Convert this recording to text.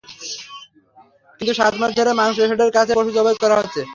কিন্তু সাত মাস ধরে মাংস শেডের কাছেই পশু জবাই করা হচ্ছে।